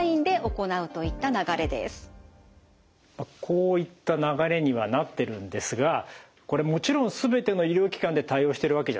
こういった流れにはなってるんですがこれもちろん全ての医療機関で対応してるわけじゃないですよね。